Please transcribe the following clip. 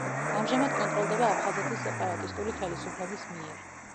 ამჟამად კონტროლდება აფხაზეთის სეპარატისტული ხელისუფლების მიერ.